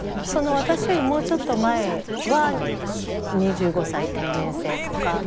私よりもうちょっと前は２５歳定年制とか。